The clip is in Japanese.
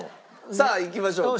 さあいきましょうか。